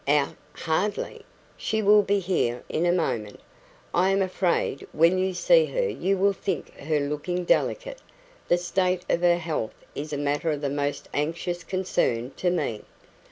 "Out hardly! She will be here in a moment. I am afraid, when you see her, you will think her looking delicate. The state of her health is a matter of the most anxious concern to me."